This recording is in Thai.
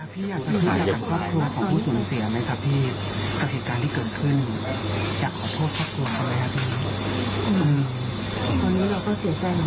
พี่อยากสักครั้งถามครอบครัวของผู้สูญเสียไหมครับพี่